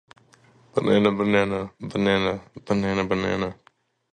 William "Hiker" Joy was the head coach for the fourth year.